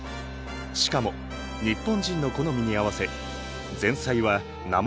しかも日本人の好みに合わせ前菜は生野菜のサラダ。